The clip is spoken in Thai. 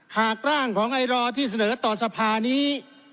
หากร่างของไอรอที่เสนอต่อสภานี้